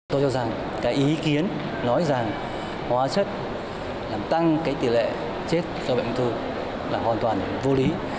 tôi cho rằng cái ý kiến nói rằng hóa chất làm tăng cái tỷ lệ chết do bệnh ung thư là hoàn toàn vô lý